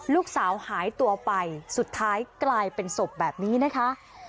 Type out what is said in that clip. ลูกสาวหายตัวไปสุดท้ายกลายเป็นศพแบบนี้นะคะ